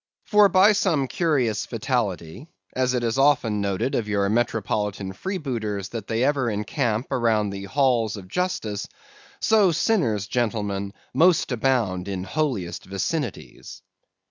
For by some curious fatality, as it is often noted of your metropolitan freebooters that they ever encamp around the halls of justice, so sinners, gentlemen, most abound in holiest vicinities.